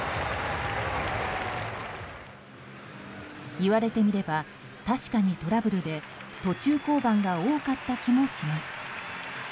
言われてみれば、確かにトラブルで途中降板が多かった気もします。